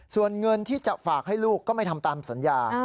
ส่วนเงินที่จะฝากให้ลูกก็ไม่ทำตามสัญญา